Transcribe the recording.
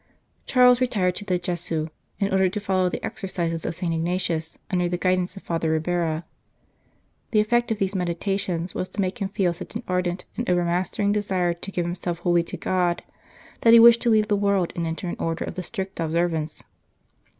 Charles retired to the Gesu, in order to follow the exercises of St. Ignatius under the guidance of Father Ribera. The effect of these medita tions was to make him feel such an ardent and overmastering desire to give himself wholly to God that he wished to leave the world and enter an Order of the Strict Observance.